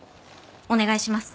お願いします。